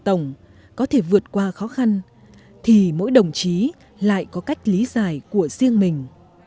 tổng có thể vượt qua khó khăn thì mỗi đồng chí lại có cách lý giải của riêng mình